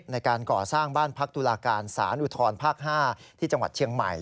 ในการก่อสร้างบ้านพักตุลาการสารอุทธรภาค๕ที่จังหวัดเชียงใหม่